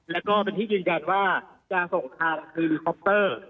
แล้วก็เป็นที่ยืนยันว่าจะส่งทางเฮลิคอปเตอร์